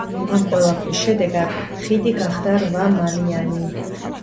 ამ ყველაფრის შედეგად ხიდი გახდა რვამალიანი.